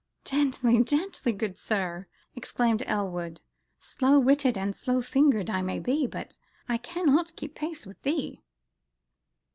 "Gently, gently, good sir!" exclaimed Elwood, "slow witted and slow fingered I may be, but I cannot keep pace with thee!"